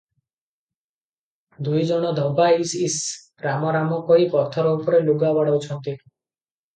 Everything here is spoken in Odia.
ଦୁଇ ଜଣ ଧୋବା ଇଶ୍ ଇଶ୍, ରାମ ରାମ କହି ପଥର ଉପରେ ଲୁଗା ବାଡ଼ଉଛନ୍ତି ।